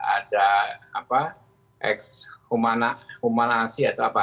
ada ex humanasi atau apa